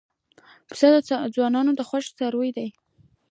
پسه د ځوانانو خوښ څاروی دی.